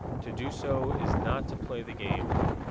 To do so is not to play the game.